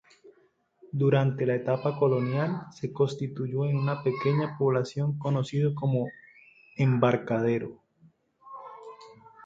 Durante la etapa colonial, se constituyó en una pequeña población conocido como "Embarcadero".